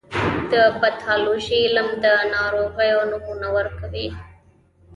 د پیتالوژي علم د ناروغیو نومونه ورکوي.